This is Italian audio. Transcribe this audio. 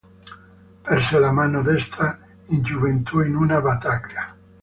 Perse la mano destra in gioventù in una battaglia.